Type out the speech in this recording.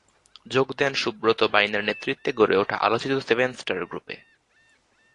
যোগ দেন সুব্রত বাইনের নেতৃত্বে গড়ে ওঠা আলোচিত সেভেন স্টার গ্রুপে।